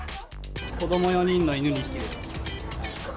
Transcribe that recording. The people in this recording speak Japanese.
子ども４人の犬２匹です。